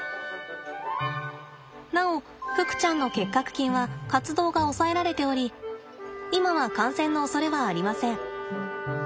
なおふくちゃんの結核菌は活動が抑えられており今は感染のおそれはありません。